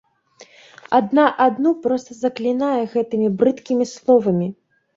Адна адну проста заклінае гэтымі брыдкімі словамі.